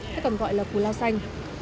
hay còn gọi là cù lao xanh